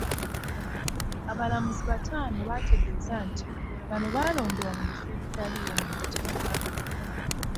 Abalamuzi bataano baategeeza nti bano baalondebwa mu bifo ebitaaliwo mu mateeka.